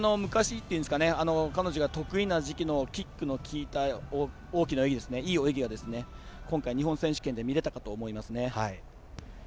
彼女が得意な時期のキックの効いた大きな泳ぎいい泳ぎが今回、日本選手権で見れたかと思いますね。